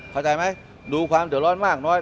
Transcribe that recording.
เข้าใจไหมดูความเดือดร้อนมากน้อย